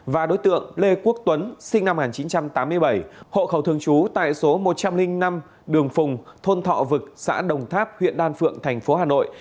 và đối tượng lê quốc tuấn sinh năm một nghìn chín trăm tám mươi bảy hộ khẩu thường trú tại số một trăm linh năm đường phùng thôn thọ vực xã đồng tháp huyện đan phượng thành phố hà nội